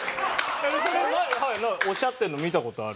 それ前おっしゃってるの見た事ある。